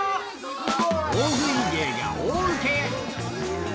大食い芸が大受け。